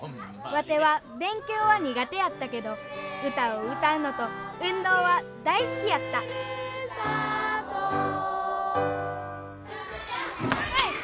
ワテは勉強は苦手やったけど歌を歌うのと運動は大好きやったえいっ！